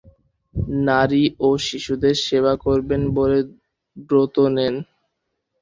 নারী ও শিশুদের সেবা করবেন বলে ব্রত নেন।